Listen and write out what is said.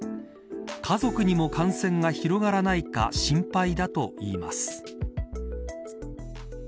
家族にも感染が広がらないか心配だといいます。